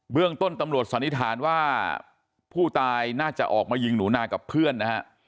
เรื่องต้นตำรวจสันนิษฐานว่าผู้ตายน่าจะออกมายิงหนูนากับเพื่อนนะฮะ